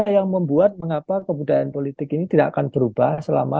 yang membuat mengapa kebudayaan politik ini tidak akan berubah selama